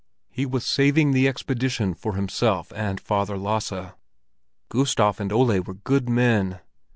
He was saving the expedition for himself and Father Lasse. Gustav and Ole were good men!